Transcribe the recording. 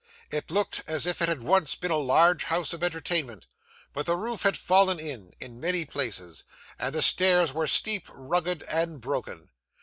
It looked as if it had once been a large house of entertainment; but the roof had fallen in, in many places, and the stairs were steep, rugged, and broken.